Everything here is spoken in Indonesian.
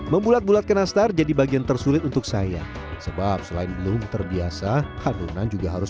membuat bulat kena star jadi bagian tersulit untuk saya sebab selain belum terbiasa adonan juga harus